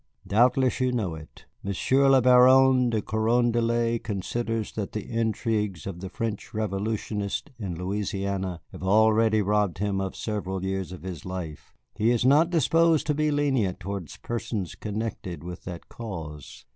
Doubtless you know it. Monsieur le Baron de Carondelet considers that the intrigues of the French Revolutionists in Louisiana have already robbed him of several years of his life. He is not disposed to be lenient towards persons connected with that cause."